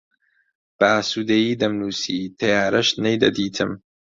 بە ئاسوودەیی دەمنووسی، تەیارەش نەیدەدیتم